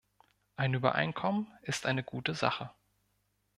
Ein Übereinkommen ist eine gute Sache.